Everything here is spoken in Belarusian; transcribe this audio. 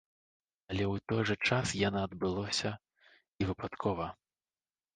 Але ў той жа час яна адбылося і выпадкова.